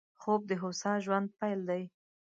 خوب د هوسا ژوند پيل دی